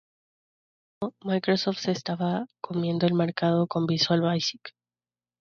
Mientras tanto, Microsoft se estaba comiendo el mercado con Visual Basic.